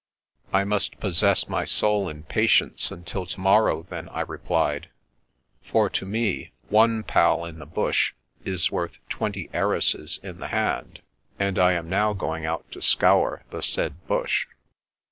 "I must possess my soul in patience until to morrow, then," I replied, " for to me one pal in the bush is worth twenty heiresses in the hand, and I am now going out to scour the said bush."